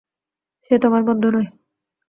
সে তোমার বন্ধু নয়।